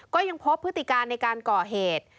ก็ยังพบพฤติการในการก่อเหตุ